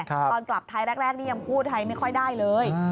ตอนกลับไทยแรกนี่ยังพูดไทยไม่ค่อยได้เลย